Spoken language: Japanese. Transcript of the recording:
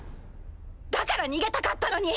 だから逃げたかったのに。